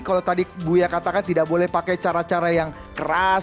kalau tadi bu ya katakan tidak boleh pakai cara cara yang keras